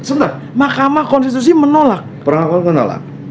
sebentar makamah konstitusi menolak